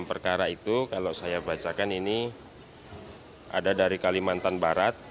enam perkara itu kalau saya bacakan ini ada dari kalimantan barat